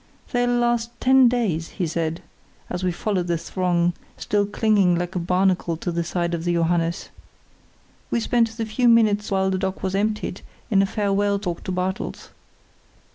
"They'll last ten days," he said, as we followed the throng, still clinging like a barnacle to the side of the Johannes. We spent the few minutes while the lock was emptied in a farewell talk to Bartels.